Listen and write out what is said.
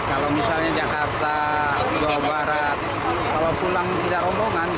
kalau misalnya jakarta jawa barat kalau pulang tidak rombongan